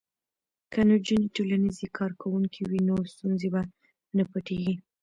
که نجونې ټولنیزې کارکوونکې وي نو ستونزې به نه پټیږي.